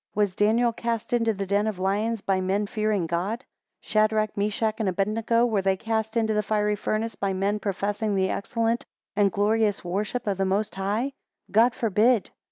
Was Daniel cast into the den of lions, by men fearing God? Shadrach, Meshach, and Abednego, were they cast into the fiery furnace by men, professing the excellent and glorious worship of the Most High? God forbid.